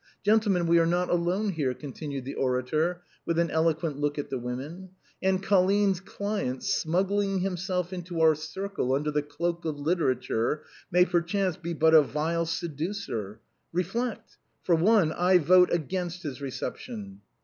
Gentlemen, we are not alone here !" continued the orator, with an eloquent look at the women; " and Colline's client, smuggling himself into our circle under the cloak of literature, may perchance be but a vile seducer. Reflect! For one, I vote against his reception."